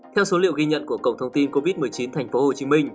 theo số liệu ghi nhận của cổng thông tin covid một mươi chín tp hcm